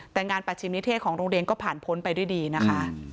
แต่งานปัชชิมนิเทศของโรงเรียนก็ผ่านพ้นไปด้วยดีนะคะ